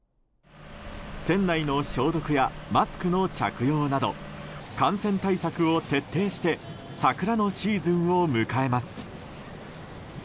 船内の消毒やマスクの着用など感染対策を徹底して桜のシーズンを迎えます。